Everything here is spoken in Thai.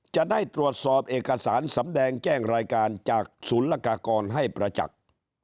จะได้ตรวจสอบเอกสารสำแดงแจ้งรายการจากศูนย์ละกากรให้ประจักษ์